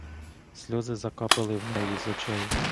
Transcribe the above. Сльози закапали в неї з очей.